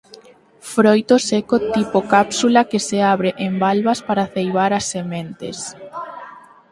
Froito seco tipo cápsula que se abre en valvas para ceibar as sementes.